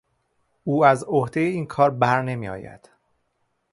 او از عهدهی این کار برنمیآید.